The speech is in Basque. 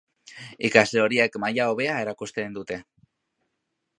Ikasle horiek maila hobea erakusten dute.